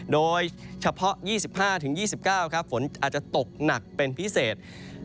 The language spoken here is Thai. โดยเฉพาะ๒๕๒๙ฝนอาจจะตกหนักเป็นพิเศษ